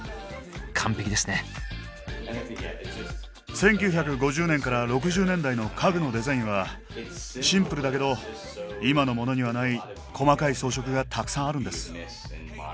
１９５０年から６０年代の家具のデザインはシンプルだけど今のモノにはない細かい装飾がたくさんあるんです。